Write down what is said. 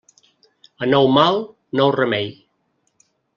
A nou mal, nou remei.